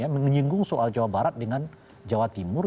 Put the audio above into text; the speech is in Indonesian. menyinggung soal jawa barat dengan jawa timur